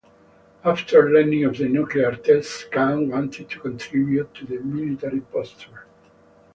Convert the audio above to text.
After learning of the nuclear test, Khan wanted to contribute to the military posture.